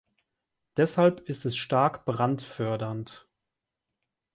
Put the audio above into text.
Deshalb ist es stark brandfördernd.